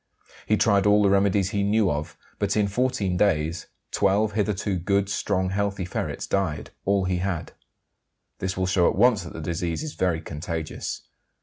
He tried all the remedies he knew of, but in 14 days 12 hitherto good, strong, healthy ferrets died: all he had. This will show at once that the disease is very contagious.